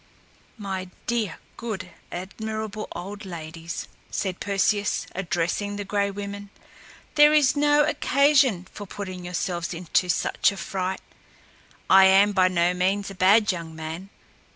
"My dear, good, admirable old ladies," said Perseus, addressing the Gray Women, "there is no occasion for putting yourselves into such a fright. I am by no means a bad young man.